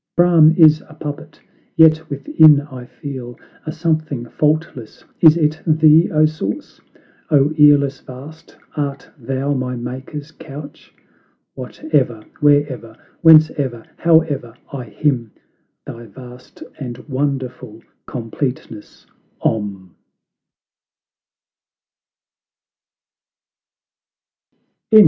Bra&m is a puppet; yet within I feel A Something faultless; is it thee, O Source? O earless Vast, art thou my maker's couch? Whate'er, where'er, whence e'er, howe'er, I hymn Thy vast and wonderful completeness, OM!